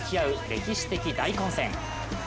歴史的大混戦。